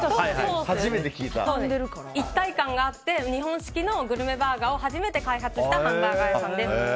一体感があって、日本式のグルメバーガーを初めて開発したハンバーガー屋さんです。